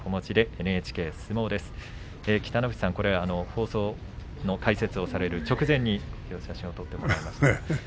北の富士さんはきょう放送の解説をされる直前に写真を撮っています。